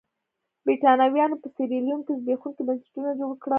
برېټانویانو په سیریلیون کې زبېښونکي بنسټونه جوړ کړل.